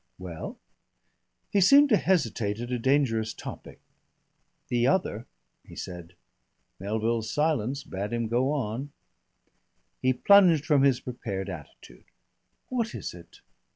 "Well?" He seemed to hesitate at a dangerous topic. "The other," he said. Melville's silence bade him go on. He plunged from his prepared attitude. "What is it?